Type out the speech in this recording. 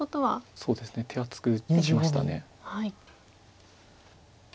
そうですね手厚く打ちました。